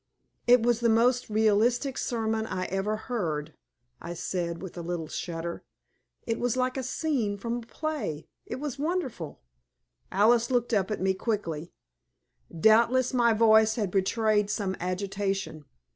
"It was the most realistic sermon I ever heard," I said, with a little shudder. "It was like a scene from a play. It was wonderful." Alice looked up at me quickly. Doubtless my voice had betrayed some agitation.